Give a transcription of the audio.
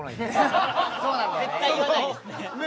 絶対言わないですね。